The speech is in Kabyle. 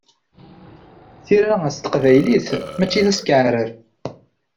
Tira s teqbaylit, mačči d askeɛrer.